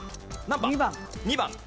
何番？